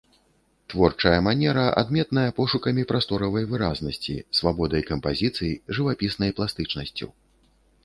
Творчая манера адметная пошукамі прасторавай выразнасці, свабодай кампазіцый, жывапіснай пластычнасцю.